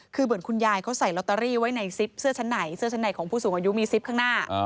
คือเหมือนคุณยายเขาใส่ลอตเตอรี่ไว้ในซิปเสื้อชั้นไหนเสื้อชั้นในของผู้สูงอายุมีซิปข้างหน้า